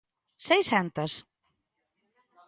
¿Seiscentas?